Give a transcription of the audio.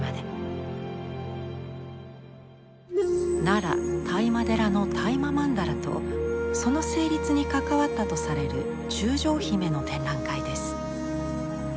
奈良・當麻寺の「當麻曼荼羅」とその成立に関わったとされる中将姫の展覧会です。